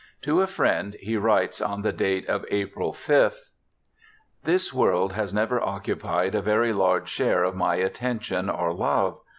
To a friend he writes on the date of April 5th : 'This world has never occupied a very large share of my attention or love.